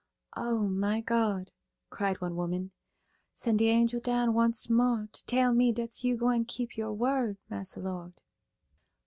"O, my God!" cried one woman, "send dy angel down once mo' ter tell me dat you's gwine ter keep yer word, Massa Lord."